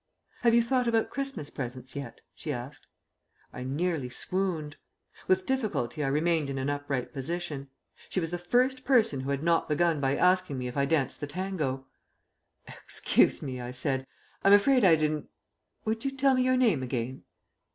"Have you thought about Christmas presents yet?" she asked. I nearly swooned. With difficulty I remained in an upright position. She was the first person who had not begun by asking me if I danced the tango! "Excuse me," I said. "I'm afraid I didn't would you tell me your name again?"